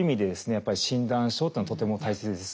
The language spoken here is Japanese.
やっぱり診断書っていうのはとても大切です。